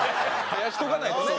生やしとかないとね。